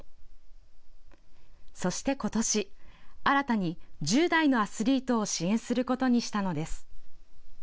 そしてことし、新たに１０代のアスリートを支援することにしたのです。